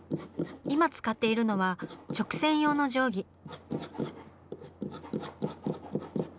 今使っているのは直線用の定規。